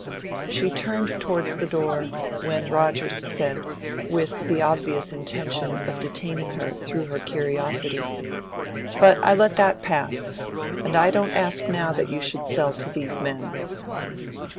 She turned towards the door, when Rogers said, with the obvious intention of detaining her through her curiosity "But I let that pass. And I don't ask now that you should sell to these men."